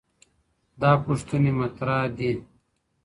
دا پوښتنې مطرح دي.